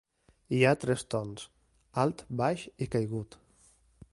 Hi ha tres tons, alt, baix i caigut.